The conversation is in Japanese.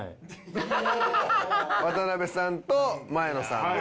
渡辺さんと前野さんの。